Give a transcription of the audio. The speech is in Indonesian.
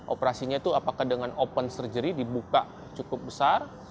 operasinya itu apakah dengan open surgery dibuka cukup besar